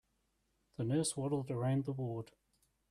The nurse waddled around the ward.